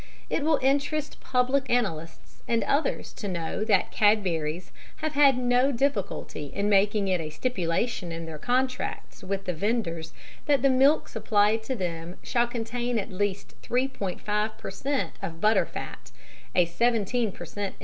It will interest public analysts and others to know that Cadbury's have had no difficulty in making it a stipulation in their contracts with the vendors that the milk supplied to them shall contain at least 3.5 per cent. of butter fat, a 17 per cent.